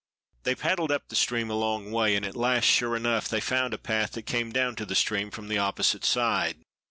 They paddled up the stream a long way, and at last, sure enough, they found a path that came down to the stream from the opposite side.